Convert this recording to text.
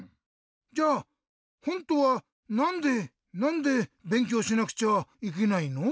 じゃあほんとはなんでなんでべんきょうしなくちゃいけないの？